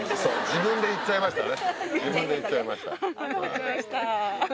自分で言っちゃいました。